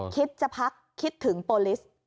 คิดจะพักคิดถึงโปรลิส